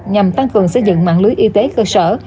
nhằm tăng cường xây dựng mạng lưới y tế cơ sở